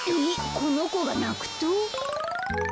このこがなくと？